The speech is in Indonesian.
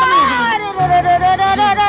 aduh aduh aduh aduh aduh aduh aduh